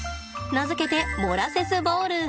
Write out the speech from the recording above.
名付けてモラセスボール。